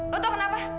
lo tau kenapa